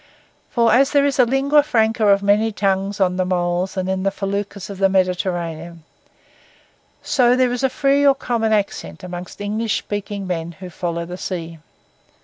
For as there is a lingua franca of many tongues on the moles and in the feluccas of the Mediterranean, so there is a free or common accent among English speaking men who follow the sea.